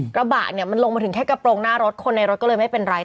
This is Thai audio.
กระบะเนี่ยมันลงมาถึงแค่กระโปรงหน้ารถคนในรถก็เลยไม่เป็นไร